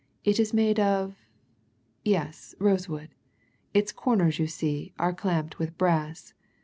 It is made of yes, rosewood. Its corners, you see, are clamped with brass.